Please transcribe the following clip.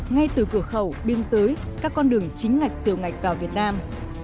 ngay từ cửa khẩu biên giới các con đường chính ngạch tiều ngạch vào việt nam